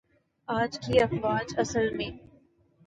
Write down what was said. آج کی افواج اصل میں